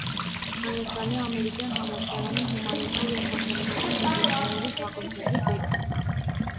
Հայաստանի ամերիկյան համալսարանի հումանիտար և հասարակական գիտությունների ֆակուլտետի դեկան։